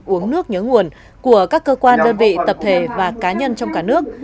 uống nước nhớ nguồn của các cơ quan đơn vị tập thể và cá nhân trong cả nước